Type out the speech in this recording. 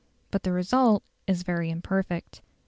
But the result is very imperfect.